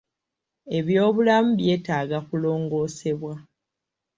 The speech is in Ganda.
Ebyobulamu byetaaga kulongoosebwa.